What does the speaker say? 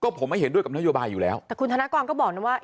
ผมไม่เห็นด้วยกับนโยบายอยู่แล้วแต่คุณธนกรก็บอกนะว่า